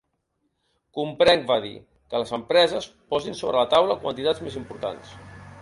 Comprenc –va dir– que les empreses posin sobre la taula quantitats més importants.